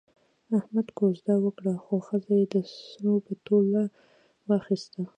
احمد وزده وکړه، خو ښځه یې د سرو په تول واخیسته.